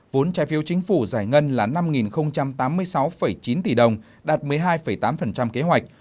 vốn trai phiêu chính phủ giải ngân là năm tám mươi sáu chín tỷ đồng đạt một mươi hai tám kế hoạch